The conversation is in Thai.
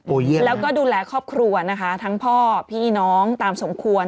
เยี่ยมแล้วก็ดูแลครอบครัวนะคะทั้งพ่อพี่น้องตามสมควร